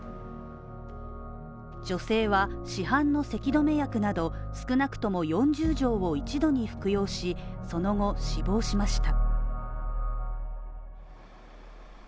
女性は市販のせき止め薬など、少なくとも４０錠を一度に服用し、その後、死亡しました。